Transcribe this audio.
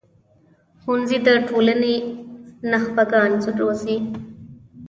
ښوونځی د ټولنې نخبه ګان روزي